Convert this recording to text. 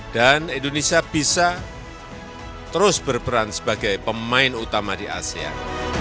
dan indonesia bisa terus berperan sebagai pemain utama di asean